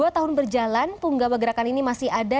dua tahun berjalan punggawa gerakan ini masih ada